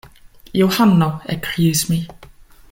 Johano! ekkriis mi.